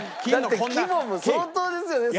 だって規模も相当ですよね。